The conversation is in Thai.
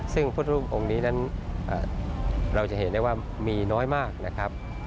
ซึ่งพระตูรูปองค์นี้เราเห็นได้ว่ามีน้อยมากนะครับ